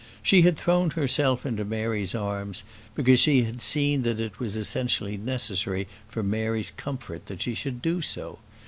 She had thrown herself into Mary's arms because she had seen that it was essentially necessary for Mary's comfort that she should do so.